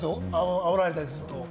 あおられたりすると。